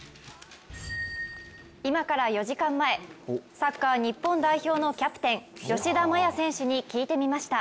今から４時間前サッカー日本代表のキャプテン吉田麻也選手に聞いてみました。